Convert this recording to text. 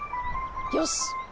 よし！